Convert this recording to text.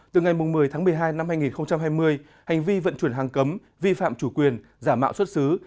từ ngày một mươi tháng một mươi hai năm hai nghìn hai mươi hành vi vận chuyển hàng cấm vi phạm chủ quyền giả mạo xuất xứ